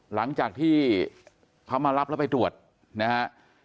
หลังจากที่เขามารับแล้วไปตรวจนะฮะ